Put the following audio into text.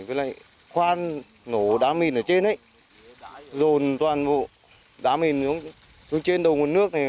với lại khoan nổ đá mìn ở trên ấy đã dồn toàn bộ đá mìn xuống trên đầu nguồn nước này